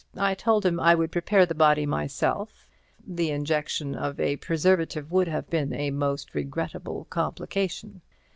I told him I would prepare the body myself—the injection of a preservative would have been a most regrettable complication.